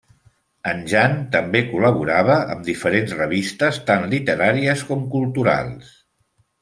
En Jan també col·laborava amb diferents revistes, tant literàries com culturals.